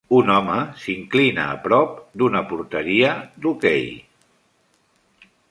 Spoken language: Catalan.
Un home s'inclina a prop d'una porteria d'hoquei